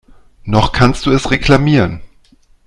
Noch kannst du es reklamieren.